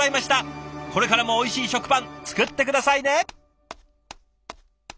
これからもおいしい食パン作って下さいね！